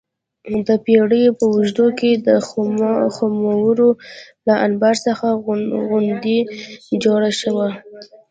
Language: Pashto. د پېړیو په اوږدو کې د خُمرو له انبار څخه غونډۍ جوړه شوه